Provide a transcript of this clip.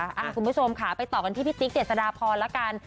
อ่ะคุณผู้ชมค่ะไปต่อกันที่พี่ติ๊กเดี๋ยวสดารพรละกัน